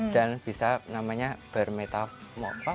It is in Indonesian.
dan bisa namanya bermetamorfosis ya jadi itulah